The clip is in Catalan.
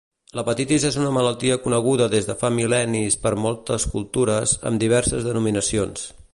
L'hepatitis és una malaltia coneguda des de fa mil·lennis per moltes cultures, amb diverses denominacions.